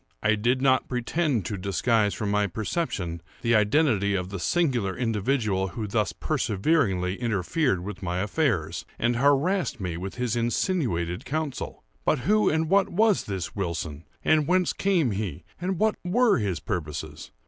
I did not pretend to disguise from my perception the identity of the singular individual who thus perseveringly interfered with my affairs, and harassed me with his insinuated counsel. But who and what was this Wilson?—and whence came he?—and what were his purposes?